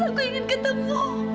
aku ingin ketemu